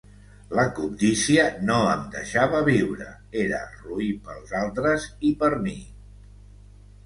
La cobdícia no em deixava viure, era roí pels altres i per mi.